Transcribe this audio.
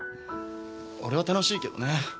俺は楽しいけどね。